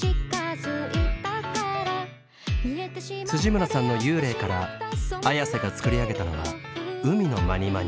村さんの「ユーレイ」からＡｙａｓｅが作り上げたのは「海のまにまに」。